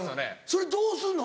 それどうすんの？